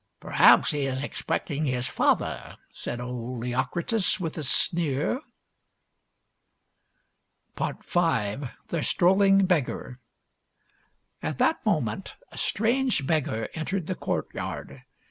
" Perhaps he is expecting his father," said old Leocritus, with a sneer. V. THE STROLLING BEGGAR At that moment a strange beggar entered the courtyard.